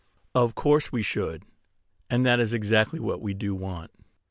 Of course we should! That is exactly what we do want.